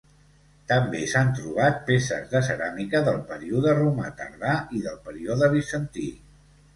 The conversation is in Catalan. També s'han trobat peces de ceràmica del període romà tardà i del període bizantí.